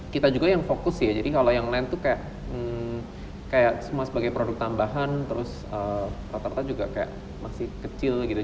kayaknya kayak anak kecil kan